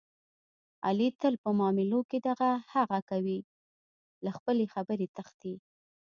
علي تل په معاملو کې دغه هغه کوي، له خپلې خبرې تښتي.